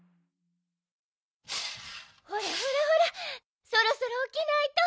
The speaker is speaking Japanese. ほらほらほらそろそろおきないと。